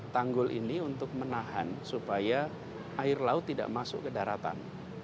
tanggul ini untuk menahan supaya air laut tidak masuk ke daratan